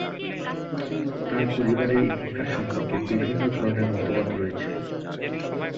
তার পরিবারের ইতিহাস সম্পর্কে বিভিন্ন ধরনের মতবাদ রয়েছে।